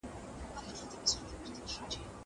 زه به سبا سیر کوم.